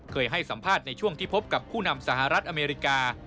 เคยให้สัมภาษณ์ในช่วงที่พบกับผู้นำสหรัฐอเมริกา